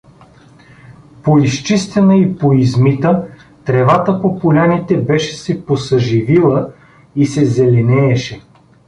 Поизчистена и поизмита, тревата по поляните беше се посъживила и се зеленееше.